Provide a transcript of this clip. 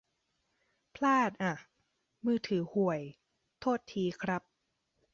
พลาดอ่ะ มือถือห่วย โทษทีครับ